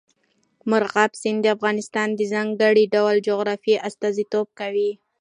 مورغاب سیند د افغانستان د ځانګړي ډول جغرافیه استازیتوب کوي.